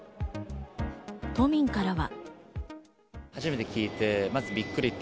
都民からは。